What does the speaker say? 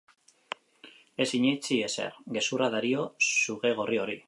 Ez sinetsi ezer, gezurra dario sugegorri horri.